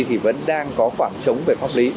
thì vẫn đang có khoảng trống về pháp lý